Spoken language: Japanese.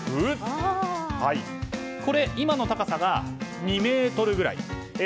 今の高さが２ｍぐらい。